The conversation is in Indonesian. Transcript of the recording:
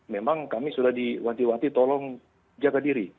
memang kami sudah diwanti wanti tolong jaga diri